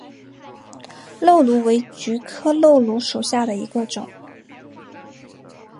漏芦为菊科漏芦属下的一个种。